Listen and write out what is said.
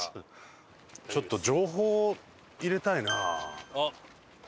ちょっと情報入れたいな。